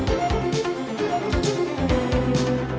hẹn gặp lại